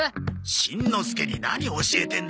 しんのすけに何教えてんだよ。